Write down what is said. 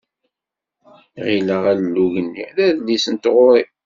Ɣileɣ alug-nni d adlis n tɣuri.